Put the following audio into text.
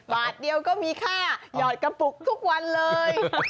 บาทเดียวก็มีค่าหยอดกระปุกทุกวันเลย